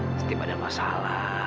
pasti pada masalah